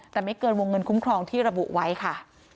แต่ไม่เกินวงเงินคุ้มครองที่ระบุไว้ค่ะ